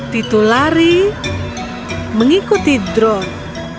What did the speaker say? titu lari mengikuti drone